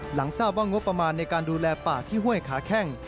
หลังทราบว่างบประมาณในการดูแลป่าที่ห้วยขาแข้ง